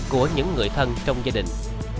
của những người thân trong gia đình